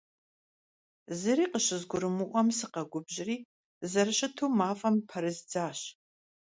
Зыри къыщызгурымыӀуэм сыкъэгубжьри, зэрыщыту мафӀэм пэрыздзащ.